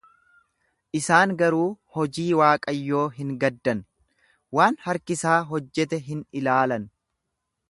Isaan garuu hojii Waaqayyoo hin gaddan, waan harki isaa hojjete hin ilaalan.